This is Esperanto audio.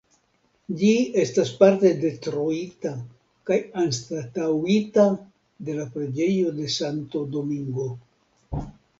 Ĝi estas parte detruita kaj anstataŭita de la preĝejo de Santo Domingo.